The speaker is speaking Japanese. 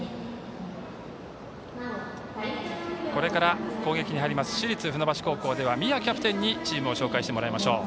これから攻撃に入る市立船橋高校宮キャプテンにチームを紹介してもらいましょう。